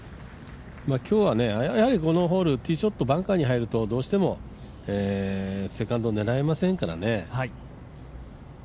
今日はやはりこのホールティーショットバンカーに入るとどうしてもセカンド狙えませんからね。